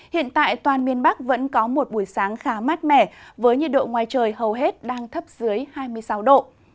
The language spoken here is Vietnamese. hiện tại toàn miền bắc vẫn có một buổi sáng khá mát mẻ với nhiệt độ ngoài trời hầu hết đang thấp dưới hai mươi sáu độ